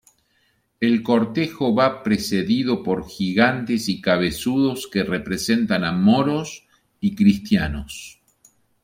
El cortejo va precedido por gigantes y cabezudos que representan a moros y cristianos.